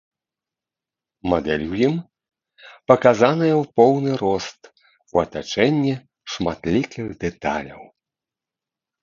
Мадэль у ім паказаная ў поўны рост у атачэнні шматлікіх дэталяў.